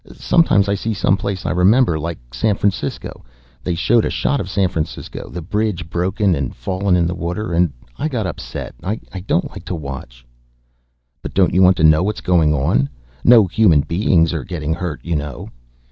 Sometimes I see some place I remember, like San Francisco. They showed a shot of San Francisco, the bridge broken and fallen in the water, and I got upset. I don't like to watch." "But don't you want to know what's going on? No human beings are getting hurt, you know."